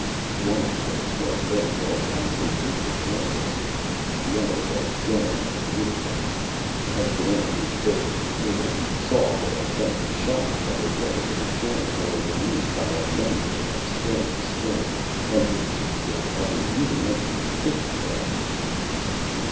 One of the women was very old and completely hairless. The other was young and beautiful. As Barrent moved closer to the table, he saw, with a sense of shock, that her legs were joined below the knee by a membrane of scaly skin, and her feet were of a rudimentary fish tail shape.